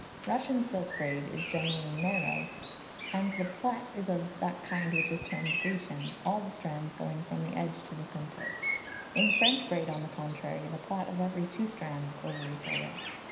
Russian silk braid is generally narrow, and the plait is of that kind which is termed Grecian all the strands going from the edge to the centre. In French braid, on the contrary, the plait of every two strands over each other.